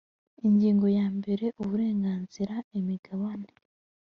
ingingo ya mbere uburenganzira imigabane